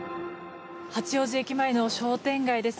八王子駅前の商店街です。